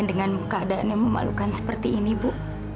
dengan keadaan yang memalukan seperti ini bu